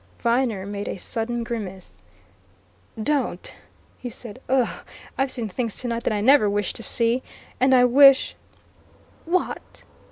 Viner made a sudden grimace. "Don't!" he said. "Ugh! I've seen things tonight that I never wished to see! And I wish " "What?"